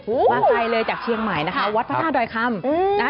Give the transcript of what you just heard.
มาไกลเลยจากเชียงใหม่นะคะวัดพระธาตุดอยคำนะคะ